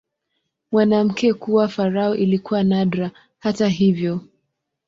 Mwanamke kuwa farao ilikuwa nadra, hata hivyo.